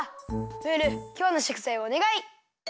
ムールきょうのしょくざいをおねがい！